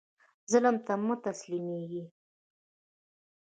ظالم ته مه تسلیمیږئ